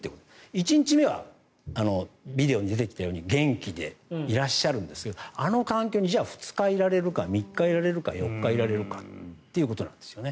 １日目はビデオに出てきたように元気でいらっしゃるんですがあの環境に、じゃあ２日いられるか３日いられるか４日いられるかっていうことなんですよね。